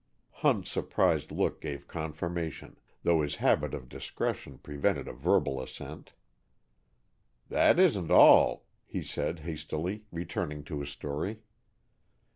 Hunt's surprised look gave confirmation, though his habit of discretion prevented a verbal assent. "That isn't all," he said, hastily, returning to his story.